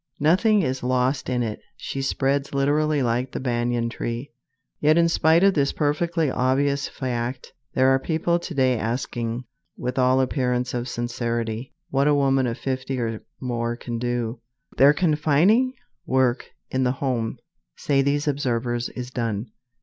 Nothing is lost in it. She spreads literally like the banyan tree. Yet in spite of this perfectly obvious fact, there are people to day asking, with all appearance of sincerity, what a woman of fifty or more can do! Their confining work in the home, say these observers, is done.